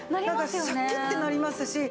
シャキッてなりますし。